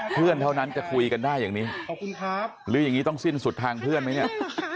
เพื่อนเท่านั้นจะคุยกันได้อย่างนี้หรืออย่างนี้ต้องสิ้นสุดทางเพื่อนไหมเนี่ย